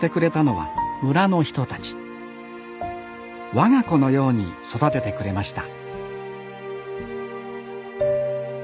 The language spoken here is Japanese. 我が子のように育ててくれました